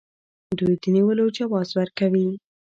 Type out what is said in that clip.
دوی د نیولو جواز ورکوي.